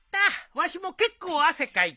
わしも結構汗かいての。